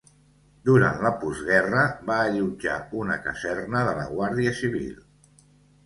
Durant la postguerra va allotjar una caserna de la Guàrdia Civil.